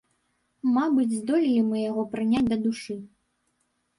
Мабыць, здолелі мы яго прыняць да душы.